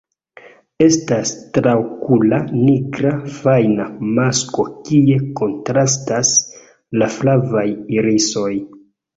Estas traokula nigra fajna masko kie kontrastas la flavaj irisoj.